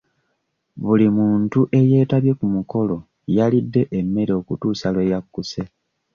Buli muntu eyeetabye ku mukolo yalidde emmere okutuuka lwe yakkuse.